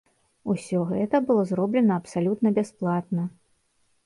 Усё гэта было зроблена абсалютна бясплатна.